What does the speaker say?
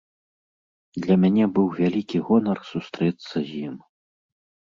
Для мяне быў вялікі гонар сустрэцца з ім.